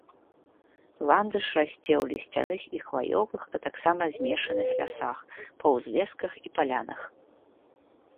Ландыш расце ў лісцяных і хваёвых, а таксама змешаных лясах, па ўзлесках і палянах.